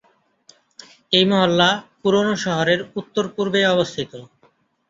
এই মহল্লা পুরনো শহরের উত্তর পূর্বে অবস্থিত।